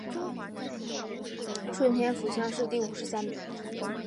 顺天府乡试第五十三名。